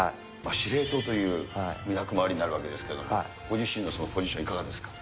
司令塔という役回りになるわけですけど、ご自身のポジション、いかがですか？